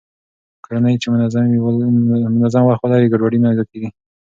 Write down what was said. کورنۍ چې منظم وخت ولري، ګډوډي نه زياتېږي.